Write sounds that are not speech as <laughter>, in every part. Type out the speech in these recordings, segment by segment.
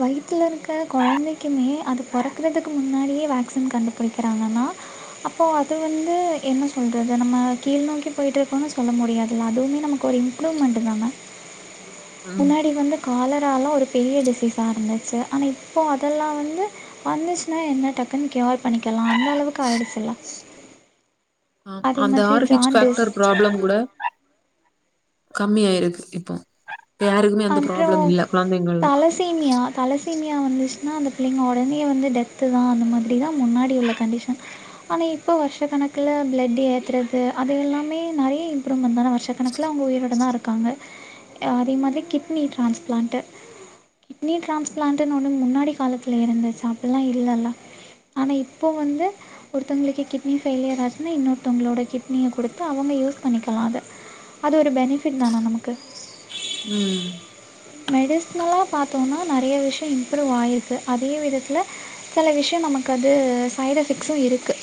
வயித்துல இருக்க கொழந்தைக்குமே அது பறக்கிறதுக்கு முன்னாடியே வேக்சின் கண்டுபிடிக்கிறாங்கன்னா அப்போ அது வந்து என்ன சொல்றது நம்ம கீழ் நோக்கி போய்ட்டுருக்கோன்னு சொல்ல முடியாதுல அதுவுமே நமக்கு ஒரு இம்ப்ரூவ்மெண்ட்டுதாம்ம முன்னாடி வந்த காலரால்லா ஒரு பெரிய டிசீஸா இருந்துச்சு ஆனா இப்போ அதெல்லா வந்து வந்துச்சுன்னா என்ன டக்குன்னு கியூர் பண்ணிக்கலா அந்த அளவுக்கு ஆயிடுச்சுல்லா ஆம் அந்த ஆர்ஹிச் பேக்டர் ப்ராப்ளம் கூட கம்மியாயிருக்கு இப்போ யாருக்குமே அந்த அப்றோ ப்ராப்ளம் இல்ல கொழந்தைங்கள்ல அனீமியா வந்துச்சின்னா அந்த பிள்ளைங்க உடனே வந்து டெத்து தா அந்த மாதிரி தா முன்னாடி உள்ள கண்டிஷன் ஆனா இப்ப வருஷ கணக்குல பிளட் ஏத்துறது அது எல்லாமே நெறைய இம்ப்ரூவ்மெண்ட் தான வருஷ கணக்குல அவுங்க உயிரோட தா இருக்காங்க அதே மாதிரி கிட்னி ட்ரான்ஸ்பிளான்ட்டு கிட்னி ட்ரான்ஸ்பிளான்ட்டுன்னு ஒன்னு முன்னாடி காலத்துல இருந்துச்சா அப்டிலா இல்லல்ல ஆனா இப்போ வந்து ஒருத்தங்களுக்கு கிட்னி ஃபெய்லியர் ஆச்சுன்னா இன்னொருத்தோங்களோட கிட்னிய குடுத்து அவங்க யூஸ் பண்ணிக்கலா அத அது ஒரு பெனிஃபிட் தானா நமக்கு ம் மெடிசினல்லா பாத்தோ‌னா நெறைய விஷயொ இம்ப்ரூவ் ஆயிருக்கு அதே விதத்துல செல விஷயொ நமக்கு அது சைடு் எஃபெக்ட்ஸ்ஸு இருக்கு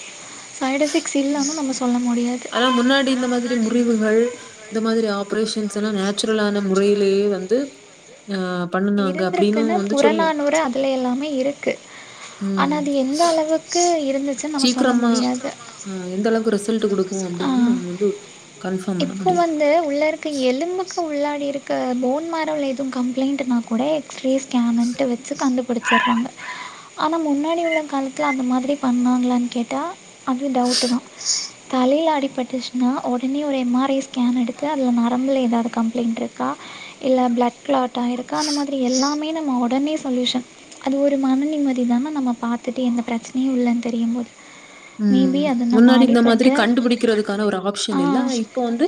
சைடு் எஃபெக்ட்ஸ் இல்லன்னு நம்ம சொல்ல முடியாது ஆனா முன்னாடி இந்த மாதிரி முறிவுகள் இந்த மாதிரி ஆப்ரேஷன்ஸ் எல்லா நேச்சுரலான முறையிலேயே வந்து அ பண்ணுனாங்க அப்டின்னும் இருந்ருக்குன்னு வந்து சொல்லி புறநானூறு அதுல எல்லாமே இருக் ஆனா ம். அது எந்த அளவுக்கு இருந்துச்சுன் நம்ம சொல்ல முடியாது ல்ட்டு குடுக் கு அப்டின்னு நம்ம வந்து கன்ஃபார்ம் பண்ண இப்பொ முடியாது. வந்து உள்ளருக்க எலும்புக்கு உள்ளாடி இருக் க போன் மேரோல ஏது கம்ப்ளைண்டுனா கூட எ க்ஸ்ரே ஸ்கேமுன்ட்டு வச்சு கண்டுபுடிச்சிர்றாங்க ஆனா முன்னாடி உள்ள காலத்ல அந்த மாதிரி பண்வாங்களான் கேட்டா அது டவுட்டு தா தலையில அடிபட்ருச்சின்னா ஒடனே ஒரு எம் ஆர் ஐ ஸ்கேன் எடுத்து அதுல நரம்புல ஏதாது கம்ப்ளைண்ட்ருக்கா இல்ல பிளட் க்ளாட் டாயிருக்கா அந்த மாதிரி எல்லாமே நம் ம ஒடனே சொல்யூஷன் அது ஒரு மன நிம்மதி தான நம்ம பாத்துட்டு எந்த பிரச்னையு இல்லன் தெரியும்போது உம் முன்னாடி இந்த மாதிரி கண்டுபுடிக்கிறதுக்கான ஒரு ஆப்ஷன் ஆ இல்ல ஆனாய் இப்பொ வந்து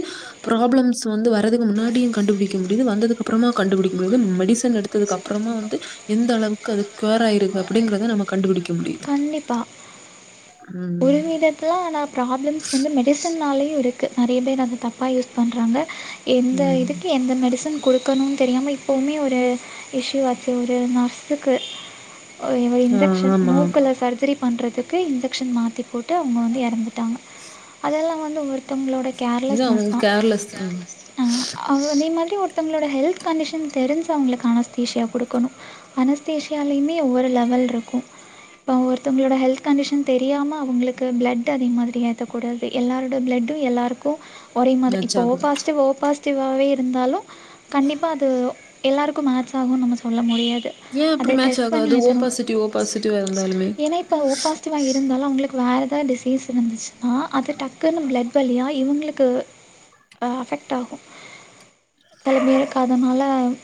ப்ராப்ளம்ஸ் வந்து வர் ரதுக்கு முன்னாடியு கண்டுபுடிக்கணு இது வந்ததுக்கப்றமா கண்டுபுடிக்க முடிய்து மெடிஸ் சன் எடுத்ததுக்கு அப்றமா வந்து எந்த அளவுக்கு அது க்யோர் ஆயிருக்கு அப்டிங்றத நமக் கண்டுபுடிக்க முடியிது கண்டிப்பாக ஒரு விதத்ல நா ப்ரா வந்து மெடிசென்னாலே இருக்கு நெறைய பேர் அத தப்பா யூஸ் பண்றாங்க எந்த ம். இதுக்கு எந்த மெடிசென் குடுக்கணுன் தெரியாம இப் பொமே ஒரு இஷ்யு ஆச்சி ஒரே ஒர் நா இருக்கு ஓ இவ ஆ இன்ஜெக்க்ஷன் ஆமா. மூக்குல சர்ஜரி பண்றதுக்கு இந்த ன் மாற்றி போட்டு அவுங்க வந்து இறந்துட்டாங்க அதெல்லாம் வந்து ஒருத்தவங்களோட இது கேர்லெஸ்னெஸ் அவங்களுக்கு தான் கேர்லெஸ் அ ஒருத்தவங்களோட ஹெல்த் கண்டிஷன் தெரிஞ்சு அவங்களுக்கு அனஸ்தீஷியா கொடுக்கனும் அனஸ்தீஷியாலியுமே ஒரு லெவல் இருக்கு ஒருத்தங்களோட ஹெல்த் கண்டிஷன் தெரியாம அவங்களுக்கு பிளட் அது மாதிரி ஏத்தக்கூடாது எல்லாரோட பிளட்டும் எல்லாருக்கு மேட்ச் இப்போ ஓ ஆகாது. பாஸிடிவ் ஓ பாஸிடிவ் வாகவே இருந்தாலும் கண்டிப்பா அது எல்லாருக்கு மேட்ச் ஆகும்னு நம்ம சொல்ல முடியாது ஏன் அப்படி அதை மேட்ச் டெஸ்ட் பண்ணி ஆகாது ஏற்றணும் ஓபாசிடிவ் ஓபாசிடிவா இருந்தாலுமே மாக இருந்தாலும் அவங்களுக்கு வேறு ஏதாவது டிசீஸ் இருந்துச்சுன்னா அது டக்குன்னு பிளட் வழியா இவங்களுக்கு அஃபெக்ட் ஆகும் தலைமேக்காதனால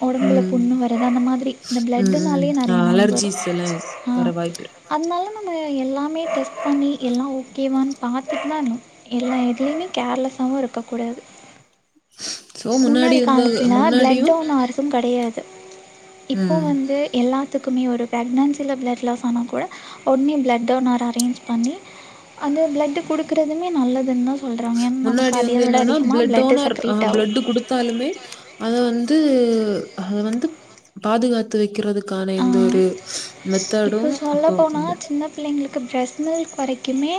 உடம்புல ம். புண்ணு வருது அந்த மாதிரி இந்த ம், ம். பிளட்னாலயே நிறைய நோய் வரும் அலர்ஜீஸ் எல்லாம் வர வாய்ப்பு இருக்கு. அதனால நான் உம் <inaudible> எல்லாமே டெஸ்ட் ப்பண்ணி எல்லா ஓகேவான் சொல் பாத்துட்டு தான் இருந்தோம் எல்லா எதுலயுமே கேர்லஸாவும் இருக்கக்கூடாது ஸோ முன்னாடி இருந்த காலத்துல முன்னாடியும் ப்ளட்டோன அரசு கிடையாது இப்போ ம். வந்து எல்லா க்குமே ஒரு பிரெக்னென்சில பிளட் லாஸ் ஆன கூட உடனே பிளட் டோனர் அரேஞ்ச் பண்ணி அந்த பிளட்டு குடுக்குறதுமே நல்லதுன்னு தான் சொல்கிறாங்க ஏன்னா நமக்கு முன்னாடி அதை வந்து விட என்னன்னா அதிகமாக பிளட் பிளட்டு டோனர் அஹ் செக்ரேட் பிளட் கு டுத்தாலுமே அத வந்து அதை வந்து பாதுகாத்து வைக்கிறது க்கான எந்த ஆகும் ஒரு இப்போ மெத்தடும் அப்போ இல்ல மில்ஸ் கெடைக்குமே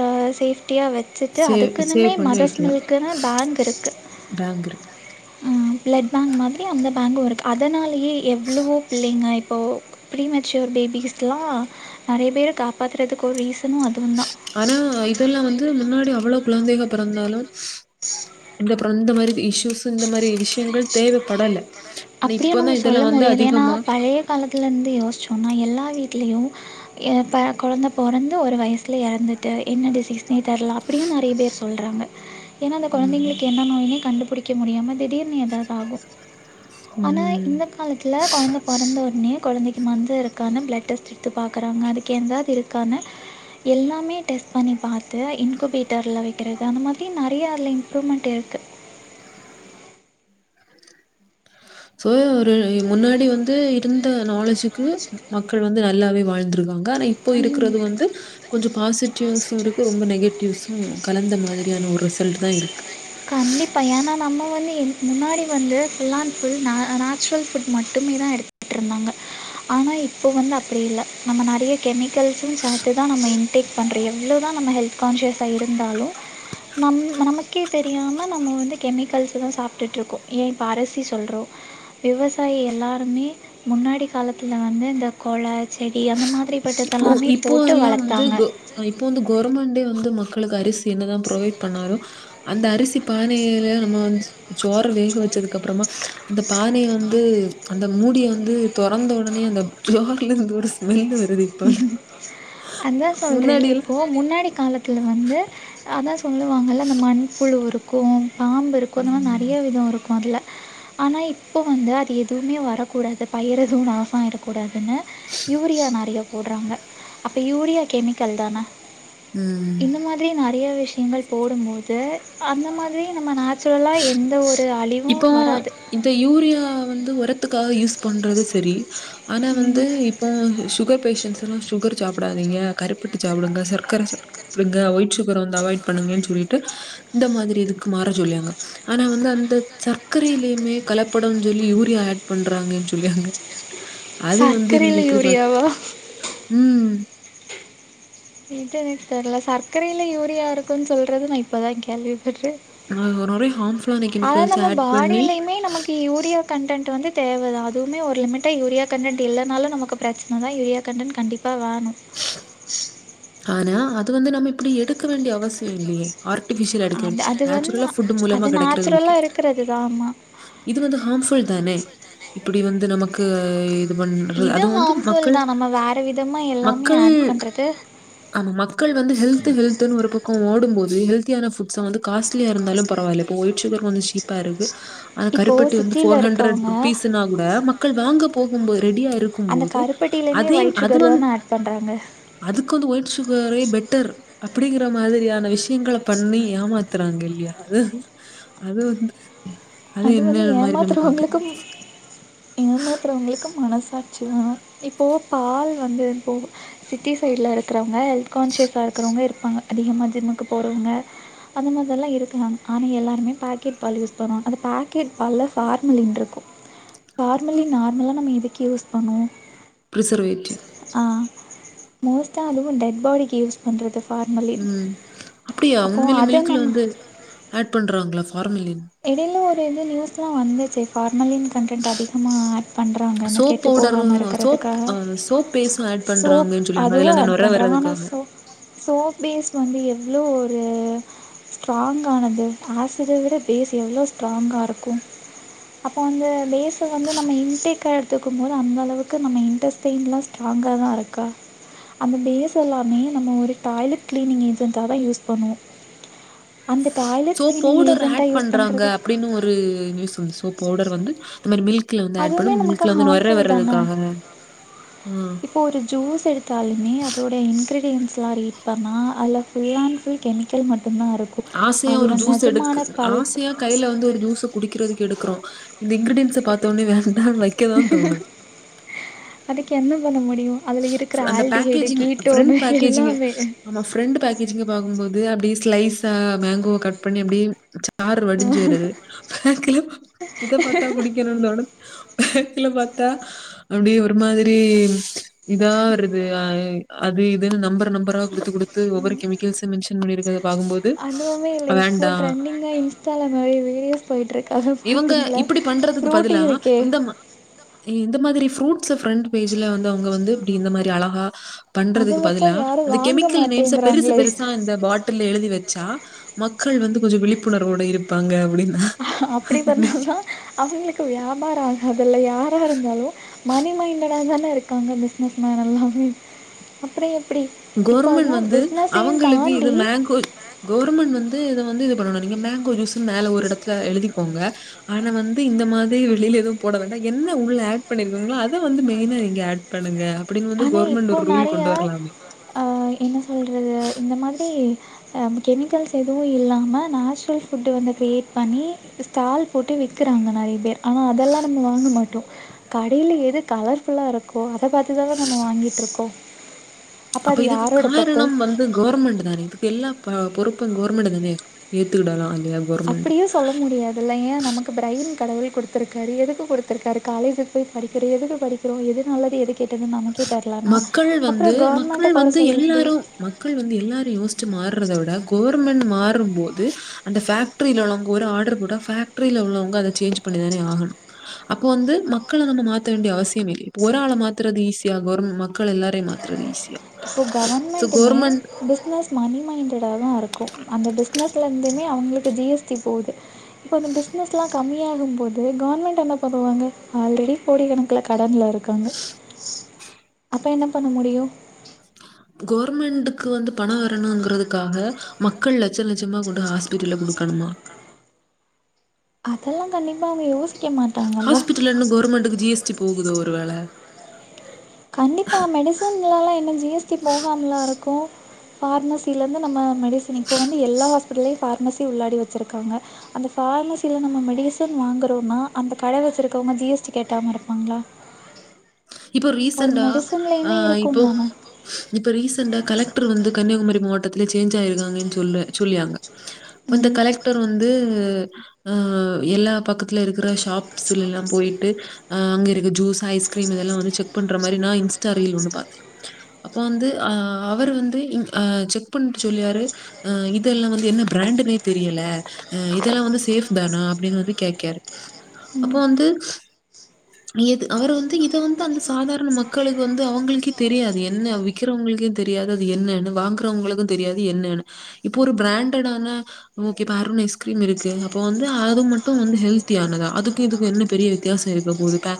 அஹ் சேஃப் குட்டியா வச்சுட்டு சேவ் சேவ் அதுக்குன்னுமே பண்ணி மதர்ஸ் வைக்கலாம் மில்க்குனு பேங்க் இருக்கு பேங்க் இருக்கு. பிளட் பேங்க் மாதிரி அந்த பேங்க் இருக்கு அதனால எவ்வளவோ பிள்ளைங்க இப்போ ப்ரீமெச்சூர் பேபிஸ்லாம் நிறைய பேர் காப்பாத்துறதுக்கு ஒரு ரீசன் ஆனா இப்ப எல்லா வந்து முன்னாடி அவ்வளவு குழந்தைங்க பிறந்தாலு இந்தப்புறம் இந்த மாதிரி டீஷ் ஆனா அப்டியே நம்ம இப்பதான் சொல்ல இதெல்லாம் வந்து முடியாது ஏன்னா அதிகமா பழைய காலத்துல இருந்து யோசிச்சோம்னா எல்லா வீட்லயு எ இப்ப கொழந்த பொறந்து ஒரு வயசுல எறந்துட்டு என்ன டிசீஸ்னே தெரில அப்படியு நறைய பேர் சொல்றாங்க ஏன்னா அந்த ம், கொழந்தைங்களுக்கு என்ன நோயினே கண்டு புடிக்க முடியாம திடீர்னு ஏதாவது ஆகு ஆனா ம். இந்த காலத்தில்ல கொழந்த பொறந்த ஒடனே கொழந்தைக்கு மந்த இருக்கானு பிளட் டெஸ்ட் எடுத்து பாக்றாங்க அதுக்கு எந்தாது இருக் க்கானு எல்லாமே டெஸ்ட் பண்ணி பாத் து இன்குபேட்டர்ல வைக்கிறது அந்த மாதிரி நறைய அதுல இம்ப்ரூவ்மெண்ட் இரு க்கு சோ ஒரு முன்னாடி வந்து இருந்த நாலேஜு க்கு மக்கள் வந்து ந நல்லாவே வாழ்ந்திருக்காங்க ஆனா இப்போ இருக்கிறது வந்து கொஞ்சம் பாசிட்டிவ்ஸ் இருக்கு ரொம்ப நெகட்டிவ்ஸ் கலந்த மாதிரியான ஒரு ரிசல்ட் தான் இருக்கு கண்டிப்பா ஏன்னா நம்ம இல்லே இதுக்கு முன்னாடி வந்து full and full natural food மட்டுமே தான் எடுத்துட்டு இருந்தாங்க ஆனா இப்போ வந்து அப்படி இல்லை நம்ம நிறைய கெமிக்கல்ஸும் சேத்து தான் நம்ம இன்டேக் பன்றோ எவ்ளோ தான் நம்ம ஹெல் கான்சியஸாக இருந்தாலும் நம்ம நமக்கே தெரியாம நம்ம வந்து கெமிக்கல்ஸ் தான் சாப்பிட்டுட்டு இருக்கோம் ஏன் இப்போ அரிசி சொல்றோம் விவசாயி எல்லாருமே முன்னாடி காலத்துல வந்து இந்த கொல செடி அந்த மாரி இப்போ இப்போ எல்லாம் வந்து இப்போ வந்து கவர்மெண்டே வந்து மக்களுக்கு அருசி என்னதான் ப்ரொவைட் பண்ணாலும் அந்த அரிசி பானையேல நம்ம வந்து சோற வேக வச்சதுக்கு அப்புறமா அந்த பானைய வந்து அந்த மூடிய வந்து தொறந்த உடனே அந்த ஜார்ல இருந்து ஓரு வில்லு வருது அதான் சொல்றேன்ல்ல முன்னாடியெல்லாம் இப்போ முன்னாடி <unintelligible> வந்து ஆப் சொல்லுவாங்கள்ல அந்த மண் புழு உரோம் கூம் பாம்பு இருக்குன்னா நெறய ம். விதம் இருக்கும் மொதல்ல ஆனா இப்போ வந்து அது எதுவுமே வரக்கூடாது பயிர் எதுவும் நாசம்ஆயிடக்கூடாதுன்னு யூரியா நெறையா போட்றாங்க அப்போ யூரியா கெமிக் கெமிக்கல் தான ம். இந்த மாதிரியே நெறையவே விஷயங்கள் போடும்போது அந்த மாரி நம்ம நேச்சுரலாக எந்த ஒரு அழிவு இப்போ வராது துக்காக யூஸ் பண்றது செரி ஆனா சரி வந்து ம் இப்போ சுகர் பேஷன்ஸ்ல்லா சு கர் சாப்டாதீங்க கருப்பட்டி சாப்டுங்க சர்க்கர சாப்டுங்க ஒயிட் சுகர வந்து அவாய்ட் பண்ணுங்கனு சொல்லிட்டு இந்த மாரி இதுக்கு மாற சொல்லியாங்க ஆனா வந்து அந்த சர்க்கரயிலயுமே கலப்படனு சொல்லி யூரியா ஆட் பண்றாங்கனு சொல்லியாங்க அது வந்து நீங்க சர்க்கரையில் எப்டி பா யூரியாவா உம் இது எனக்கு தெர்ல சர்க்கரையில யூரியா இருக்குனு சொல்றது நா இப்பதா கேள்விப்படுறே ஆஹ் நொ நொரை ஹாம்ஃபு அதா நம்ம பாடியிலயுமே நமக்கு யூரியா கண்டென்ட் வந்து தேவதா அதுவுமே ஒரு லிமிட்டா யூரியா கண்டெட் இல்லனாலு நமக்கு பிரச்சன தா யூரியா கண்டென்ட் கண்டி இப்ப வேணு து வந்து நம்ம இப்டி எடுக்க வேண்டிய அவஸ் ல்லியே ஆர்டிபிஷியலா எடுக்க வே அது அது வந்து நேச்சுரலா ஃபுட் மூலமா அது கெடைக்கிறது ஓகே நேச்சுரலா இருக்கறதுதா ஆமா இது வந்து ஹாம்ஃபுல் தானே இப்டி வந்து நம்ம நமக்கு க்கு இது ஹாம்ஃபுல் தா நம்ம வேற விதமா எல்லாமே மக்கள் ஆட் பண்றது ஆமா மக்கள் வந்து ஹெல்து ஹெல்துனு ஒரு பக்கோ ஓடும்போது ஹெல்த் தியான ஃபுட் ஸ் அ வந்து காஸ்லியா இருந்தாலு பரவால்ல இப்ப ஒயிட் சுகர் கொஞ்சோ சீப்பா இருக்கு ஆனா இப்போ கருப்பட்டி வந்து சிட்டில போர் ஹண்ரெட் இருக்கவங்க ரூபீஸ்னா கூட மக்கள் வாங்க போகும்போ ரெடியா அந்த இருக்கும்போது கருப்பட்டிலயுமே அதயே ஒயிட் அது சுகர் வந் தான ஆட் பண்றாங்க அதுக்கு வந்து ஒயிட் சுகரே பெட் டர் அப்டிங்கற மாதிரியான விஷயங்கள பண்ணி ஏமாத்துறாங்க இல்லியா அது அது வந்து அது வந்து என்ன மாதிரி நம்ம ஏமாத்துற பார்க்கலாம் உங்களுக்கும் ஏமாத்துறவுங்களுக்கும் மனசு இதாச்சுனா இப்போது பால் வந்து போ சிட்டி சைடுல இருக்கிறவு ங்க ஹெல்த் கான்சியஸா இருக்கிறவுங்க இருப்பாங்க அதிகமாக ஜிம்முக்கு போறவுங்க அந்த மாதியெல்லா இருக்குறாங்க ஆனா எல்லாருமே பாக்கெட் பால் யூஸ் பண்ணுவா அந்த பேக்கெட் பால்ல ஃபார்மலின் இருக்கு ஃபார்மலின் நார்மலா நம்ம இதுக்கு யூஸ் பண்ணுவோ பிரிசர்வேட்டிவ் மோஸ்ட்டா அதுவு டெட் பாடிக்கு யூஸ் பண்றது உம் அப்டியா உண்மைலே அதை மில்க்ல நம்ம வந்து ஆட் பண்றாங்களா ஃப் ஃபார்மலின் வந்து நியூஸ்லா வந்துச்சே ஃபா ர்மலின் கண்டென்ட் அதிகமா ஆட் பண்றாங்கன்னு சோப் கெட்டு போகாம பவுடரும் சோப் இருக்கறதுக்காக அ சோப் பேஸ்டும் ஆட் சோப் பண்றாங்கன்னு சொல்லிருக்காங்க. அதுவு அதுல அந்த ஆட் நுரை பண்றாங்க ஆனா வர்றதுக்காக. சோ சோப் பேஸ் வந்து எது எவ்ளோ ஒரு ஸ்ட்ராங்கானது ஆசிட்ட விட பேஸ் எவ்ளோ ஸ்ட்ராங்கா இருக்கு அப்போ அந்த பே ஸ வந்து நம்ம இன்டேக்கா எடு த்துக்கும் போது அந்த அளவுக்கு நம்ம இன்டஸ்டெயின்லா ஸ்ட்ராங்காதா இருக்கா அந்த பேஸ் எல்லாமே நம்ம ஒரு டாய்லெட் கிளீனிங் ஏஜென்ட்டாதா யூஸ் பண்ணுவோ அந்த டாய்லட் கிளினிங் ஏஜெண்ட்டா யூஸ் றாங்க பண்ணுறது அப்படின்னு ஒரு நியூஸ் வந்து சோப் பவுடர் வந்து இந்த மாரி மில்க் அதுவுமே நமக்கு ஹார்ம் ஃபுல் தான ஆ இப்போ ஒரு ஜூஸ் எடுத்தாலுமே அதோடைய இன்கிரிடியன்ட் ஸ்லா ரீட் பண்ணா அதுல ஃபுல் அன் ஃபுல் கெமிக்கல் மட் ஆசையா ஒரு ஜூஸ் எடுக்கு பல்ப் ஆசையா கைல வந்து ஒரு ஜூஸ குடிக்கிறதுக்கு எடுக்கறோ இந்த இங்ரீடியன்ஸ பாத்தோனே வேனா வக்கதான் தோணுது கென்ன பண்ண முடி அந்த பேக்கேஜிங் ஃபிரண்ட் பேக்கேஜிங் எல்லாமே ஆமா ஃபிரண்ட் பேக்கேஜிங் பாக்கும்போது அப்டி ஸ்லைஸா மேங்கோ கட் பண்ணி அப்டியே சாறு வடிஞ்சு வருது இத பாத்தா குடிக்கணுன் தோணு ஹெக்குல பாத்தா அப்டியே ஒரு மாதுரி இதா வருது அது இதுன்னு நம்பர் நம்பரா குடுத்து குடுத்து ஒவ்வொரு கெமிகல்ஸ மென்ஷன் பண்ணிருக்கத பாக்கம் போது அதுவுமே இல்லை வேண்டா இப்போது ட்ரெண்டிங்காக இன்ஸ்டாவில் நிறைய வீடியோஸ் போயிட்டிருக்கு அதை இவங்க பார்த்தீங்களா இப்புடி பண்றதுக்கு ஃப்ரூட்டி பதிலா இருக்கே இந்த மா இந்த மாதுரி ஃப்ரூட் சோ ஃபிரண்ட் பேஜ்ல வந்து அவ்ங்க வந்து முடி இந்த மரி அழகா அதை பண்றதுக்கு வச்சா பதில யாரும் அந்த வாங்க கெமிக்கல் நெம்ஸ பெசு மாட்டேங்கிறாங்களே பெருசா இந்த பாட்டில் எழுதி வெச்சா மக்கள் வந்து கொஞ்சோ விழிப் புணர்வோடு இருப்பாங்க அப்படின்னு நான் அப்டி நினைக்கிறேன். பண்ணாதா அவங்களுக்கு வியாபாரோ ஆகதில்ல யாரா இருந்தாலு மணி மைண்டடா தான இருக்காங்க பிஸ்னஸ் மேன் எல்லாமே அப்ற எப் கோர்மெண்ட் வந்து அவங்களுக்கு இது தாண்டி மேங்கோ கவுவர்மெண்ட் வந்து இத வந்து இது பண்ணனு நீங்க மேங்கோ ஜூஸ் மேல ஒரு எடத்துல எழுதிக்கோங்க ஆனா வந்து இந்த மாதிரி வெளியில எதுவு போட வேண்டா என்ன உள்ள ஆட் பண்ணிருக்காங்ளோ அத வந்து மெயினா நீங்க ஆட் பண்ணுங்க அப்டின்னு வந்து கவர்மெண்ட் ஒரு ரூல் கொண்டு வரலாமே ஆ என்ன சொல்றது இந்த மன்டே எ அம் கெமிக்கல்ஸ் எதுவு இல்லாம நேச்சுரல் ஃபுட்டு வந்து கிரியேட் பண்ணி ஸ்டால் போட்டு விக்குறாங்க நறைய பேர் ஆனா அதல்லா நம்ம வாங்க மாட்டோ கடைல எது கலர்ஃபுல்லா இருக்கோ அத பாத் த்துதான நம்ம வாங்கிட்ருக்கோ அப்ப இதுக்கு காரணம் வந்து கவர்மெண்ட் தானே இதுக்கு எல்லா ப பொறுப்பு கொவுர்மண்டு தானே ஏத்துக்கிடலா அப்டியு சொல்ல முடியாதுல்ல ஏ நமக்கு பிரைன் கடவுள் குட்த்துருக்காரு எதுக்கு குடுத்துருக்காரு காலேஜ் ல போய் படிக்கிற எதுக்கு படிக்கிறோ எது நல்லது எது கெட்டதுன்னு நமக்கே தெரிலனா மக்கள் வந்து அப்புறம் மக்கள் கவர்மெண்ட்டை குறை வந்து சொல்லி எப்படி எல்லாரு மக்கள் வந்து எல்லாரு யோசிச்சு மார்றத விட கொவுர்மண் மாறும்போது அந்த ஃபேக்ட்ரீல உள்ளவங் பூரா ஆடர் போட்டா ஃபேக்ட்ரீல உல்லவுங்க அத ச்சேன்ஞ் பண்ணி தானே ஆஹனு அப்போ வந்து மக்கள நம்ம மாத்த வேண்டிய அவசியமில்லே இப்பொரால மாத்துரது ஈசி யாகொர்மா இப்போ ஸோ கவர்மண்ட்டுமே கவர்மெண்ட் பிஸ்னஸ் மனி மைண்டட் தாதா இருக்கு அந்த பிஸ்னஸ்லிர்ந்துமே அவுங்களுக்கு ஜி எஸ் டி போது இப்பந்த பிஸ்னஸ்லா கம்மி யாகும் போது கவுர்மண்ட் என்ன பண்ணுவாங்க ஆல்ரெடி கோடிகணக்குல கடன்ல இருக் காங்க அப்ப என்ன பண்ண முடியு கொவுர்மண்டுக்கு வந்து பண வரணுங்குறதுக்காஹ மக்கள் லட்ச லட்ச்சமா கொண்டு ஹாஸ்பிட்டல்ல குடுக்கணுமா அதல்லா கண்டிப்பா அவுங்க யோஸ் ஹாஸ்பிட்டலின்னு கொவுர்மண்டுக்கு ஜி எஸ் டி போகுதோ ஒரு வேல கண்டிப்பா மெடிசன்லலா என்ன ஜி எஸ் டி போஹாம்லா இருக்கு ஃபார்மெசிலிருந்து நம்ம மெடிசன் இப்போ வந்து எல்லா ஹாஸ்பிடல்லையு ஃபார்மசி உள்ளாடி வெச்சிருக்காங்க அந்த ஃபார்மசில நம்ம மெடிசன் வாங்குறோன்னா அந்த கட வெச்சிருக்கவுங்க ஜி எஸ் டி கேக்காம இருப்பாங்ளா இப்போ ரீசண்டா ஆ இப்போ தானே இப்ப ரீசண்டா கலக் ட்ரு வந்து கன்னியாகுமாரி மோவட்டத்துல ச்சேஞ்ச் ஆயிருக்காங்கன் சொல்ல சொல்லியாங்க அப்பந்த ம் கலெக்டர் வந்து அ எல்லா பக்கத்ல இருக்குற ஷாப்ஸில் எல்லாம் போயிட்டு அ அங்க இருக்க ஜூஸ் ஐஸ்க்ரீம் இதெல்லா அப்ப வந்து அ அவர் வந்து இங் அ செக் பண்ணிட்டு சொல்லியாரு, அ இதெல்லாம் வந்து என்ன பிராண்டுன்னே தெரியல. அ இதெல்லாம் வந்து சேஃப் தானா? அப்படின்னு வந்து கேட்காரு. அப்போ ம் வந்து து அந்த சாதாரண மக்களுக்கு வந்து அவுங்களுக்கே தெரியாது என்ன விக்குறவுங்களுக்கே தெரியாது அது என்னன்னு வாங்குறவுங்களுக்கு தெரியாது என்னன்னு இப்போ ஒரு பிராண்டடான ஓகே ப்ப அருன் ஐஸ்கிரீம் இருக்கு அப்போ வந்து அது மட்டு வந்து ஹெல்தியானதா அதுக்கு இதுக்கு என்ன பெரிய வித்யாசோ இருக்க போது பே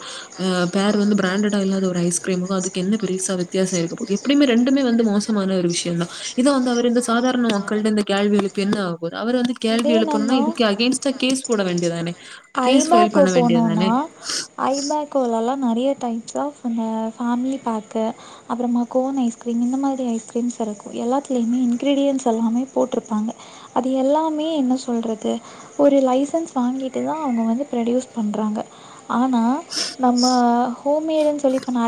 அ பேரு வந்து பிராண்டடா இல்லாத ஒரு ஐஸ்கிரீமுக்கு அதுக்கு என்ன பெரிசா வித்யாசோ இருக்க போது எப்டியுமே ரெண்டுமே வந்து மோசமான ஒரு விஷயந் தா இத வந்து அவரென்ன சாதாரண மக்கள்ட்ட ந்த கேள்வி எழுப்பி என்ன ஆகப்போது அவரு வந்து கேள்வி இதே நம்ம எழுப்பணுன்னா இதுக்கு அகைன்ஸ்ட்டா கேஸ் போட வேண்டிதானே ஐபேக்கோ போனோனா ஐபேக்கோலலா நறயா டைப்ஸ் ஆஃப் அந்த ஃபேமிலி பேக்கு ஹ அப்றொமா கோன் ஐஸ்கிரீம் இந்த மாரி ஐஸ்கிரீம்ஸ் இர்க்கு எல்லாத்லைமே இன்கிரிடியன்ஸ் எல்லாமே போட்ருப்பாங்க அது எல்லாமே என்ன சொல்றது ஒரு லைசன்ஸ் வாங்கிட் டுதா‌ அவுங்க வந்து ப்ரடியூஸ் பண்றாங்க ஆனா நம்ம ஹோமேடுனு சொல்லி இப்ப நா